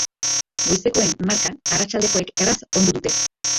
Goizekoen marka arratsaldekoek erraz ondu dute.